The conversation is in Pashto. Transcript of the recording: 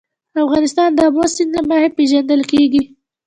افغانستان د آمو سیند له مخې پېژندل کېږي.